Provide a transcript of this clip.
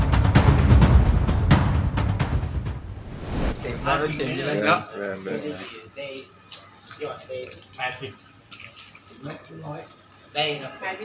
โปรดติดตามตอนต่อไป